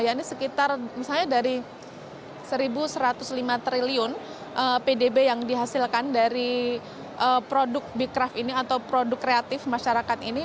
ini sekitar misalnya dari rp satu satu ratus lima triliun pdb yang dihasilkan dari produk bekraft ini atau produk kreatif masyarakat ini